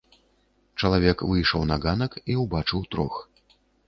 Чалавек выйшаў на ганак і ўбачыў трох.